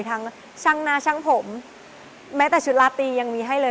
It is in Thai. ทั้งช่างหน้าช่างผมแม้แต่ชุดลาตียังมีให้เลย